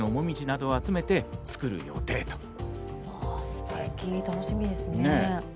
すてき楽しみですね。